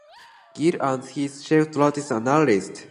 Gill as his chief traffic analyst.